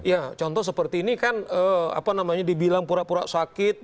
ya contoh seperti ini kan apa namanya dibilang pura pura sakit